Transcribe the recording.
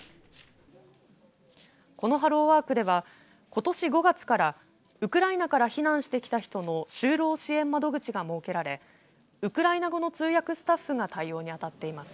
このハローワークではことし５月からウクライナから避難してきた人の就労支援窓口が設けられウクライナ語の通訳スタッフが対応にあたっています。